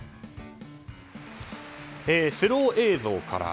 スロー映像から。